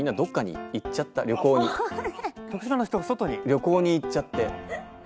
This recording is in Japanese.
旅行に行っちゃって。